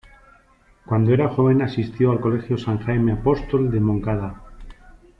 Cuando era joven asistió al Colegio San Jaime Apóstol de Moncada.